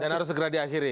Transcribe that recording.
dan harus segera diakhiri